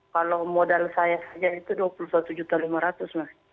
kalau modal saya saja itu rp dua puluh satu lima ratus mas